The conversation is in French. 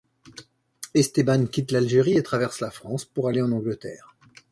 Esteban quitte l’Algérie et traverse la France pour aller en Angleterre.